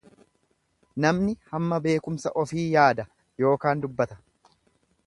Namni hamma beekumsa ofii yaada yookaan dubbata.